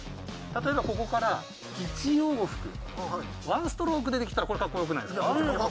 例えばここから一往復ワンストロークでできたらかっこよくないですか？